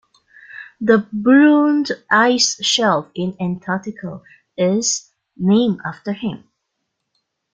The Brunt Ice Shelf in Antarctica is named after him.